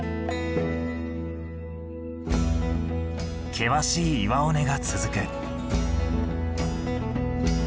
険しい岩尾根が続く。